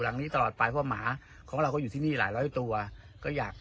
หลังนี้ตลอดไปเพราะหมาของเราก็อยู่ที่นี่หลายร้อยตัวก็อยาก